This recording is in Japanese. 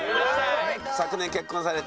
昨年結婚されて。